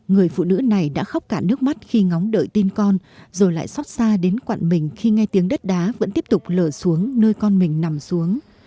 người phụ nữ này đã khóc cả nước mắt khi ngóng đợi tin con rồi lại xót xa đến quặn mình khi nghe tiếng đất đá vẫn tiếp tục lở xuống nơi con mình nằm xuống